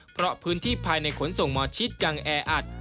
เพราะพื้นที่ภายในขนส่งหมอชิดยังแออัด